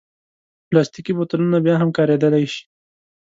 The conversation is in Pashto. پلاستيکي بوتلونه بیا هم کارېدلی شي.